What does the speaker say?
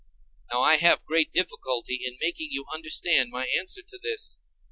Now I have great difficulty in making you understand my answer to this.